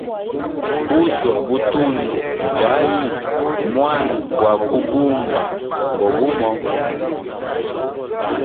Uswa butundu njayi, mwana gwa bugumba ngo gumo.